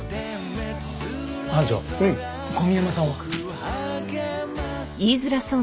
班長小宮山さんは？